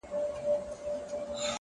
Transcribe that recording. د ذهن رڼا د ژوند لار روښانوي!